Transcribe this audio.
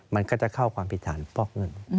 มันก็จะเข้าความผิดฐานฟอกเงิน